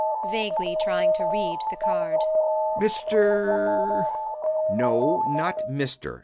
[Vaguely trying to read the card] Mr B. B. No, not Mister.